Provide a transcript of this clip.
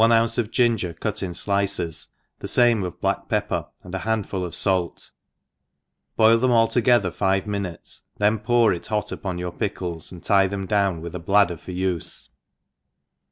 ounce of ginger cut in dices, the famt^ of black pepper, and a handful of fait, boil them all to gether five minutes, then pour it hot upon your pickles, and tie them down with a bladder for ufe.